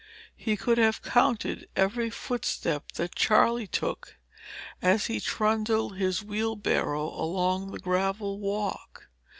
He could have counted every footstep that Charley took, as he trundled his wheelbarrow along the gravel walk.